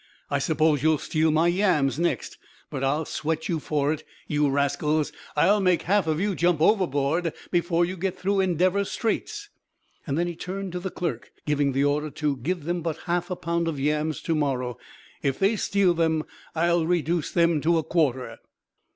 I suppose you'll steal my yams next, but I'll sweat you for it, you rascals! I'll make half of you jump overboard before you get through Endeavor Straits!" Then he turned to the clerk, giving the order to "give them but half a pound of yams to morrow: if they steal them, I'll reduce them to a quarter."